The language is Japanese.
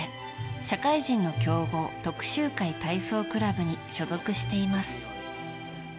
社会人の強豪徳洲会体操クラブに所属しています。